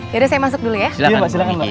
yaudah saya masuk dulu ya silahkan mbak